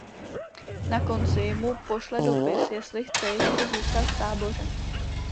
Na konci mu pošle dopis jestli chce ještě zůstat v táboře.